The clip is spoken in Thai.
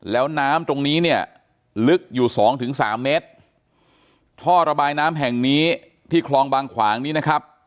แล้วน้ำตรงนี้เนี่ยลึกอยู่สองถึงสามเมตรท่อระบายน้ำแห่งนี้ที่คลองบางขวางนี้นะครับ